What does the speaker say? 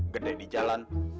gede di jalan